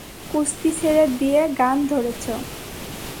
কুস্তি ছেড়ে দিয়ে গান ধরেছ?